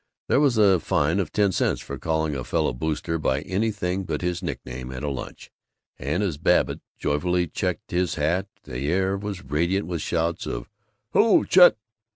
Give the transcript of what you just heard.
There was a fine of ten cents for calling a Fellow Booster by anything but his nickname at a lunch, and as Babbitt jovially checked his hat the air was radiant with shouts of "Hello, Chet!"